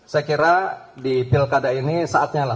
saya kira di pilkada ini saatnya lah